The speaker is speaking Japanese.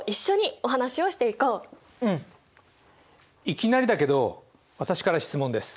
いきなりだけど私から質問です。